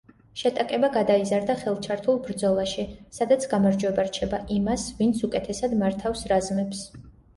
შეტაკება გადაიზარდა ხელჩართულ ბრძოლაში, სადაც გამარჯვება რჩება იმას, ვინც უკეთესად მართავს რაზმებს.